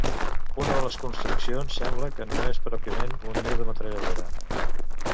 Una de les construccions sembla que no és pròpiament un niu de metralladora.